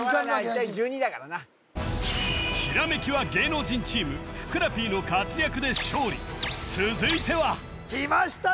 １対１２だからな「ひらめき」は芸能人チームふくらＰの活躍で勝利続いてはきました